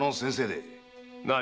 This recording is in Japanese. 何⁉